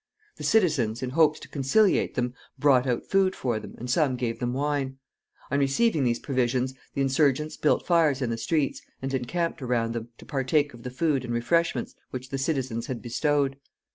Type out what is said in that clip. The citizens, in hopes to conciliate them, brought out food for them, and some gave them wine. On receiving these provisions, the insurgents built fires in the streets, and encamped around them, to partake of the food and refreshments which the citizens had bestowed.